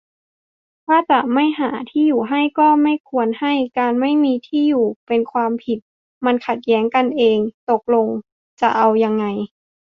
ถ้าจะไม่หาที่อยู่ให้ ก็ไม่ควรให้ การไม่มีที่อยู่ เป็นความผิด - มันขัดแย้งกันเอง ตกลงจะเอายังไง